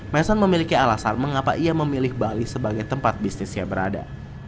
mason memiliki alasan mengapa ia memilih bali sebagai tempat bisnisnya berada